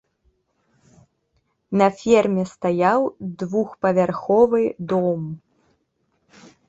На ферме стаяў двухпавярховы дом.